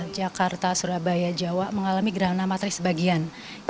jakarta surabaya jawa mengalami gerhana matahari sebagian